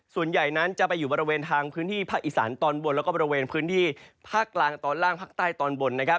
ส่วนใหญ่นั้นจะไปอยู่บริเวณทางพื้นที่ภาคอีสานตอนบนแล้วก็บริเวณพื้นที่ภาคกลางตอนล่างภาคใต้ตอนบนนะครับ